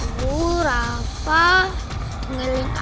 lu rafa ngeling aku sih